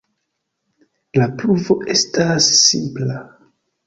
La pruvo estas simpla.